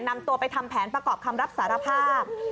นำตัวไปทำแผนประกอบคำรับสารภาพ